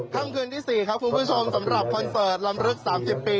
ครั้งคืนที่สี่ครับคุณผู้ชมสำหรับคอนเซิร์ตลำรึกสามสิบปี